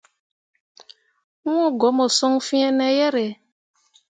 Wũũ go mo son fiine yere.